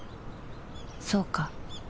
そうか